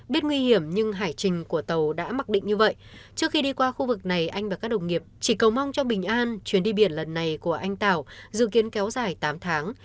biết nguy hiểm nhưng hải trình của tàu đã mặc định như vậy trước khi đi qua khu vực này anh và các đồng nghiệp chỉ cầu mong cho bình an chuyến đi biển lần này của anh tảo dự kiến kéo dài tám tháng